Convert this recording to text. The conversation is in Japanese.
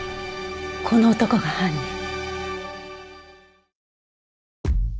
この男が犯人。